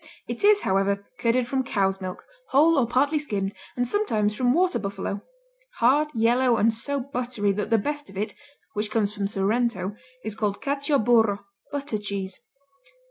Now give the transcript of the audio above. It is, however, curded from cow's milk, whole or partly skimmed, and sometimes from water buffalo; hard, yellow and so buttery that the best of it, which comes from Sorrento, is called Cacio burro, butter cheese.